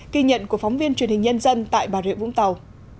ghi nhận của phóng viên truyền hình nhân dân tại bà rịa vũng tàu